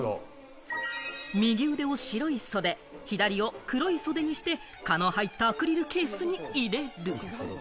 右腕を白い袖、左を黒い袖にして、蚊の入ったアクリルケースに入れる。